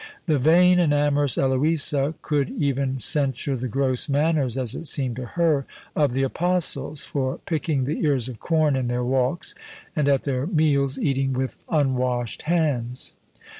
The vain and amorous Eloisa could even censure the gross manners, as it seemed to her, of the apostles, for picking the ears of corn in their walks, and at their meals eating with unwashed hands.